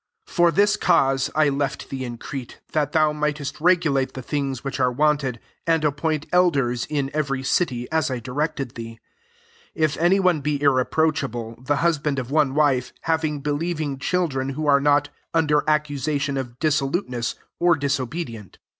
i 5 For this cause I left thee in Crete, that thou mightest re gulate the things which are wanted, and appoint elders in every city, as I directed thee : 6 if any one be irreproachable, the husband of one wife, having believing children, who are not under accusation of dissolute ness, or disobedient.